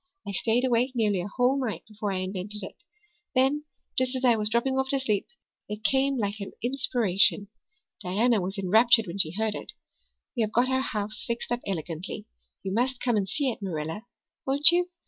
I stayed awake nearly a whole night before I invented it. Then, just as I was dropping off to sleep, it came like an inspiration. Diana was enraptured when she heard it. We have got our house fixed up elegantly. You must come and see it, Marilla won't you?